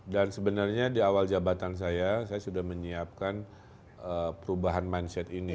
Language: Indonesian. dan sebenarnya di awal jabatan saya saya sudah menyiapkan perubahan mindset ini